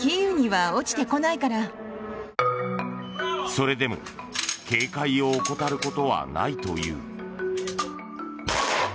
それでも警戒を怠ることはないという。